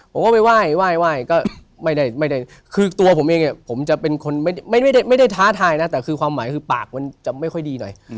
ผมก็ไปไหว้ก็ไม่ได้คือตัวผมเองผมจะเป็นคนไม่ได้ท้าทายนะแต่คือความหมายคือปากมันจะไม่ค่อยดีหน่อย